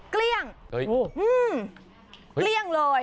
เกลี้ยงเกลี้ยงเลย